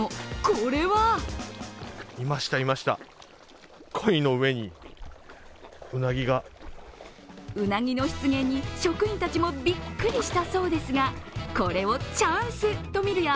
これはうなぎの出現に職員たちもびっくりしたそうですが、これをチャンスとみるや、